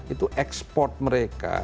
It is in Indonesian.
itu ekspor mereka